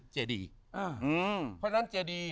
เจดีอ่าเพราะฉะนั้นเจดี